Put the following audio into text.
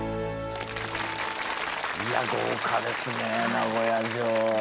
いや豪華ですね名古屋城。